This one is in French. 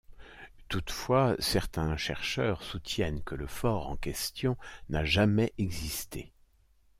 Toutefois, certains chercheurs soutiennent que le fort en question n'a jamais existé.